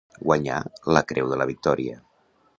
Guanya la Creu de la Victòria.